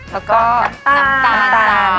แล้วก็น้ำตาล